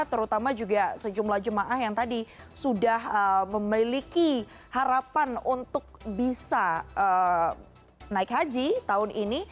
terutama juga sejumlah jemaah yang tadi sudah memiliki harapan untuk bisa naik haji tahun ini